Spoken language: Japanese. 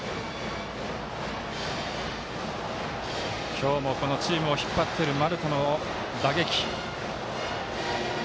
今日もチームを引っ張っている丸田の打撃。